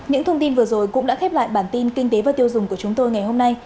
những thông tin vừa rồi cũng đã khép lại bản tin kinh tế và tiêu dùng của chúng tôi ngày hôm nay